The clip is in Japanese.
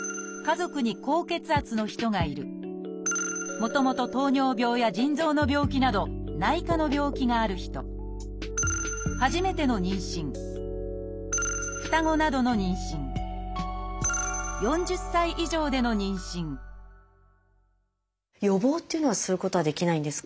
もともと糖尿病や腎臓の病気など内科の病気がある人予防っていうのはすることはできないんですか？